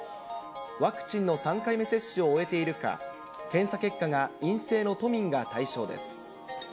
ワクチンの３回目接種を終えているか、検査結果が陰性の都民が対象です。